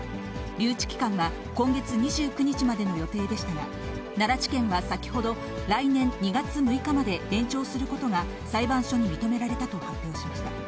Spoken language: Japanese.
留置期間は今月２９日までの予定でしたが、奈良地検は先ほど、来年２月６日まで延長することが裁判所に認められたと発表しました。